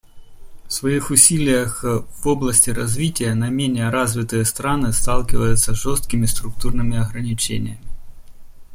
В своих усилиях в области развития наименее развитые страны сталкиваются с жесткими структурными ограничениями.